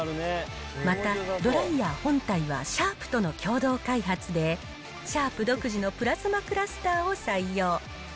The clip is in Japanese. また、ドライヤー本体はシャープとの共同開発で、シャープ独自のプラズマクラスターを採用。